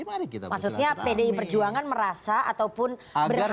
maksudnya pdi perjuangan merasa ataupun berharap